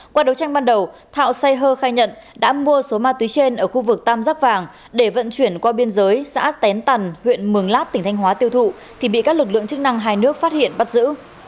qua đấu tranh ban đầu thạo say hơ khai nhận đã mua số ma túy trên ở khu vực tam giác vàng để vận chuyển qua biên giới xã tén tần huyện mường lát tỉnh thanh hóa tiêu thụ thì bị các lực lượng chức năng hai nước phát hiện bắt giữ